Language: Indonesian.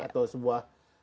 atau sebuah pusat pemerintahan